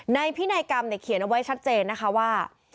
ในพินัยกรรมเขียนไว้ชัดเจนว่า